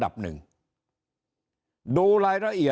ถ้าท่านผู้ชมติดตามข่าวสาร